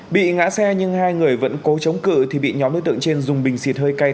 bị ngã xe nhưng hai người vẫn cố chống cự thì bị nhóm đối tượng trên dùng bình xì thơi cây